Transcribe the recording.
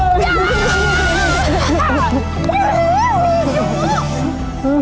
พี่หลืมมีอยู่